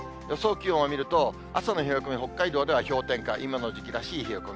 気温を見ると、朝の冷え込み、北海道では氷点下、今の時期らしい冷え込み。